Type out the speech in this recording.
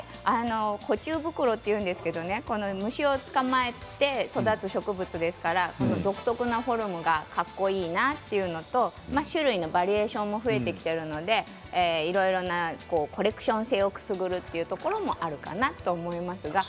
捕虫袋というんですけれども虫を捕まえて育つ植物ですから独特のフォルムがかっこいいなというのと種類のバリエーションも増えてきているのでいろいろなコレクション性をくすぐるというところもあるかなと思いますが。